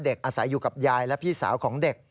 เด็กอาสาอยู่กับยายและพี่สาวของเด็ก